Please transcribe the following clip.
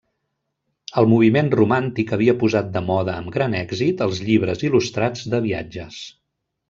El moviment romàntic havia posat de moda amb gran èxit els llibres il·lustrats de viatges.